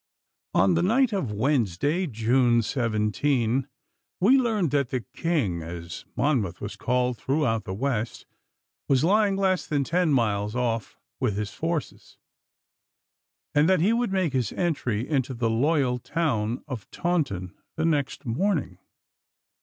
On the night of Wednesday, June 17, we learned that the King, as Monmouth was called throughout the West, was lying less than ten miles off with his forces, and that he would make his entry into the loyal town of Taunton the next morning.